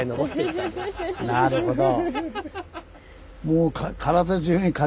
なるほど。